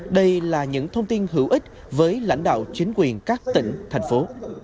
đây là những thông tin hữu ích với lãnh đạo chính quyền các tỉnh thành phố